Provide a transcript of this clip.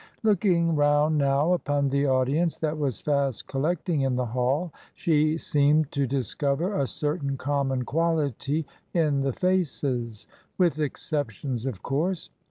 Looking round now upon the audience that was fast collecting in the hall, she seemed to discover a certain common quality in the faces — with exceptions, of course.